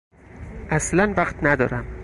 اصلا وقت ندارم.